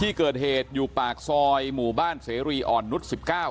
ที่เกิดเหตุอยู่ปากซอยหมู่บ้านเสรีอ่อนนุษย์๑๙